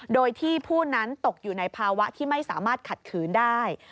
โดยที่ผู้นั้นตกอยู่ในภาวะที่ไม่สามารถขัดขืนได้